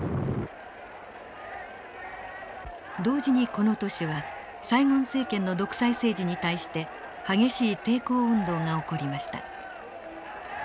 同時にこの年はサイゴン政権の独裁政治に対して激しい抵抗運動が起こりました。